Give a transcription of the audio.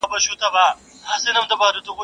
o پلار مي مه غوولی، پلار دي غيم دا ښاغلی.